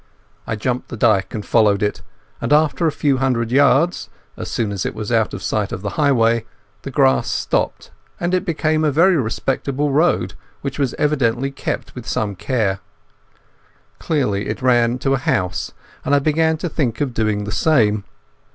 I jumped the dyke and followed it, and after a few hundred yards—as soon as it was out of sight of the highway—the grass stopped and it became a very respectable road, which was evidently kept with some care. Clearly it ran to a house, and I began to think of doing the same.